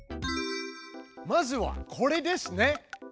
まずはこれですね。